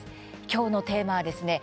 きょうのテーマはですね